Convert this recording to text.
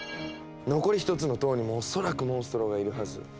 残り１つの塔にも恐らくモンストロがいるはず。